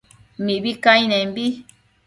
mibi cainenbi